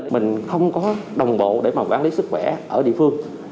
mình không có đồng bộ để mà quản lý sức khỏe ở địa phương